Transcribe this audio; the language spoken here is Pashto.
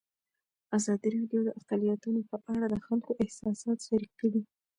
ازادي راډیو د اقلیتونه په اړه د خلکو احساسات شریک کړي.